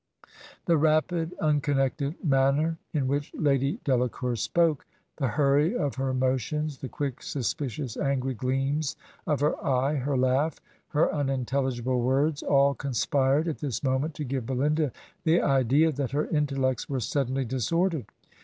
"The rapid, unconnected manner in which Lady Delacour spoke, the hurry of her motions, the quick, suspicious, angry gleams of her eye, her laugh, her unintelligible words, all conspired at this moment to give Belinda the idea that her intellects were suddenly dis ordered.